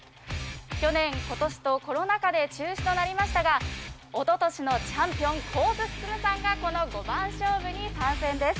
去年、ことしとコロナ禍で中止となりましたが、おととしのチャンピオン、神津進さんがこの５番勝負に参戦です。